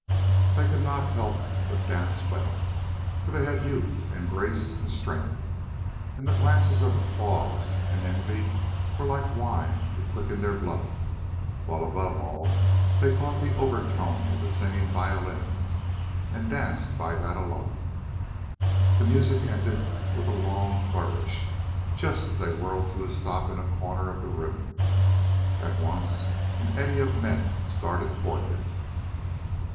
They could not help but dance well, for they had youth and grace and strength, and the glances of applause and envy were like wine to quicken their blood, while above all they caught the overtone of the singing violins, and danced by that alone. The music ended with a long flourish just as they whirled to a stop in a corner of the room. At once an eddy of men started toward them.